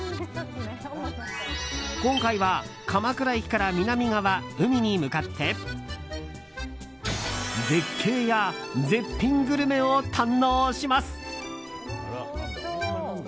今回は鎌倉駅から南側海に向かって絶景や絶品グルメを堪能します。